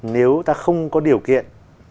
nếu ta không có điều kiện